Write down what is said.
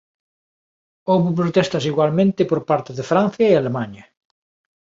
Houbo protestas igualmente por parte de Francia e Alemaña.